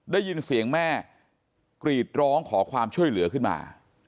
ได้ยินเสียงแม่กรีดร้องขอความช่วยเหลือขึ้นมา